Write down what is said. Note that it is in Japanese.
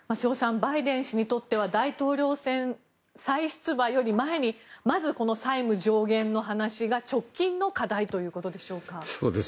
バイデン氏にとっては大統領選再出馬より前にまずこの債務上限の話が直近の課題ということでしょうか。